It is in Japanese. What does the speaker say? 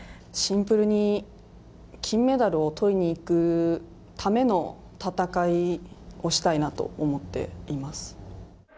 シンプルに、金メダルをとりにいくための戦いをしたいなと思っています。